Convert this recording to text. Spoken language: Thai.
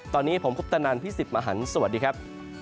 ตอนนี้ผมคุปตนันพี่สิทธิ์มหันฯสวัสดีครับ